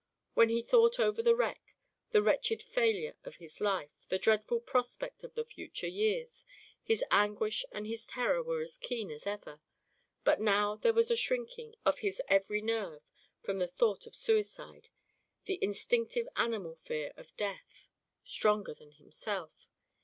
When he thought over the wreck, the wretched failure of his life, the dreadful prospect of the future years, his anguish and his terror were as keen as ever. But now there was a shrinking of his every nerve from the thought of suicide, the instinctive animal fear of death, stronger than himself.